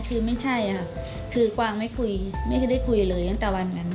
คือไม่ใช่ค่ะคือกวางไม่คุยไม่ได้คุยเลยตั้งแต่วันนั้น